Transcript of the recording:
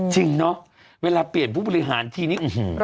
จริงเนอะเวลาเปลี่ยนผู้บริหารทีนี้